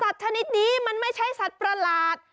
ชนิดนี้มันไม่ใช่สัตว์ประหลาด